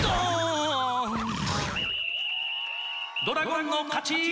ドラゴンのかち！